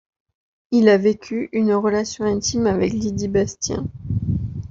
Il a vécu une relation intime avec Lydie Bastien.